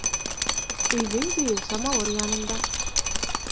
Өйҙөң көйө самауыр янында.